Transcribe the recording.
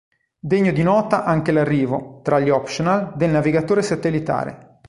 Degno di nota anche l'arrivo, tra gli optional, del navigatore satellitare.